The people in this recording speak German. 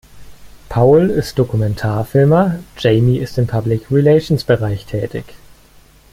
Paul ist Dokumentarfilmer, Jamie ist im Public-Relations-Bereich tätig.